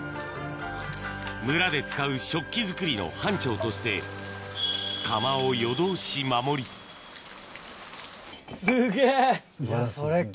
村で使う食器作りの班長として窯を夜通し守りすげぇ！